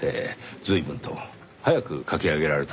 随分と早く書き上げられたんですねぇ。